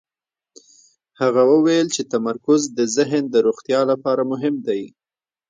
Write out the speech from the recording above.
هغه وویل چې تمرکز د ذهن د روغتیا لپاره مهم دی.